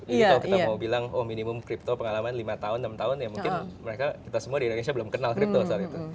jadi kalau kita mau bilang minimum crypto pengalaman lima tahun enam tahun ya mungkin kita semua di indonesia belum kenal crypto saat itu